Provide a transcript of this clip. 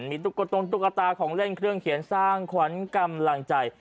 มีตุ๊กตรงตุ๊กตาของเล่นเครื่องเขียนสร้างขวัญกำลังใจ